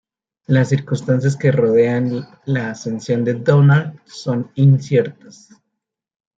Las circunstancias que rodean la ascensión de Domnall son inciertas.